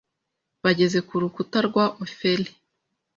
bageza ku rukuta rwa Ofeli